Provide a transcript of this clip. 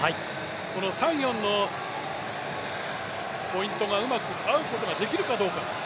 この３、４のポイントがうまく合うことができるかどうか。